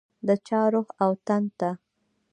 د چا روح او تن ته